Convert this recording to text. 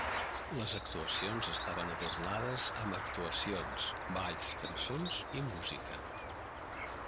Les actuacions estaven adornades amb actuacions, balls, cançons i música.